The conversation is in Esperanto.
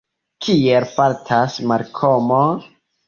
Kiel fartas Malkomo?